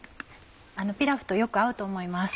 ピラフとよく合うと思います。